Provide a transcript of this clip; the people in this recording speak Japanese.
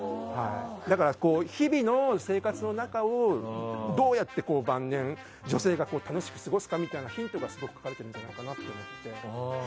だから、日々の生活の中をどうやって晩年女性が楽しく過ごすかみたいなヒントが描かれてるんじゃないかなと思って。